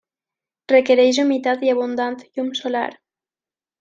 Requereix humitat i abundant llum solar.